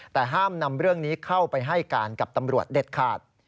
แต่ห้ามนำเรื่องนี้เข้าไปให้การกับตำรวจเด็ดขาด